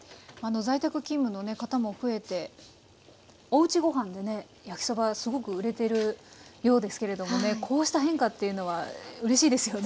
在宅勤務の方も増えておうちごはんでね焼きそばすごく売れてるようですけれどもねこうした変化っていうのはうれしいですよね。